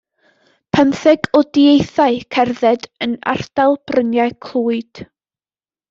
Pymtheg o deithiau cerdded yn ardal bryniau Clwyd.